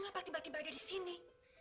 mengapa tiba tiba ada di sini